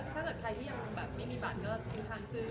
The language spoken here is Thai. ขอถามใครที่ยังไม่มีบาทก็ขอถามซึ้งถาม